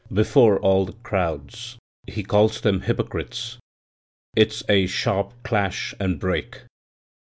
Before all the crowds He calls them hypocrites. It's a sharp clash and break.